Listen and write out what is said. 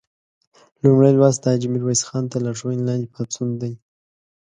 لومړی لوست د حاجي میرویس خان تر لارښوونې لاندې پاڅون دی.